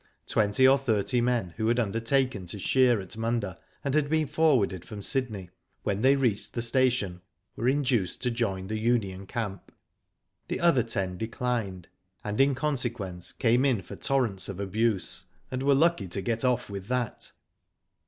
Twenty or thirty men who had undertaken to shear at Munda, and had been forwarded from Sydney, when they reached the station were induced to join the union camp. The other ten declined, and, in consequence, came in for torrents of abuse, and were lucky to get off with that.